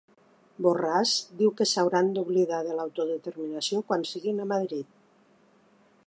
Borràs diu que s'hauran d'oblidar de l'autodeterminació quan siguin a Madrid